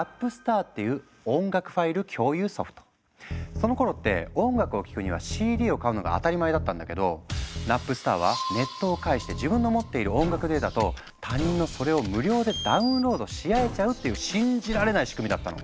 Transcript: そのころって音楽を聴くにはＣＤを買うのが当たり前だったんだけどナップスターはネットを介して自分の持っている音楽データと他人のそれを無料でダウンロードし合えちゃうっていう信じられない仕組みだったの！